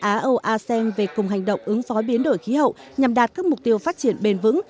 á âu asem về cùng hành động ứng phó biến đổi khí hậu nhằm đạt các mục tiêu phát triển bền vững